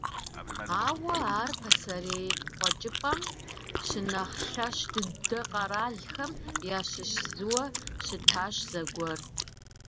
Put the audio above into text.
Ауэ ар пасэрей Къуэкӏыпӏэм щынэхъ лъэщ дыдэ къэралхэм ящыщ зыуэ щытащ зэгуэр.